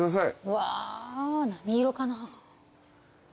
うわ何色かな？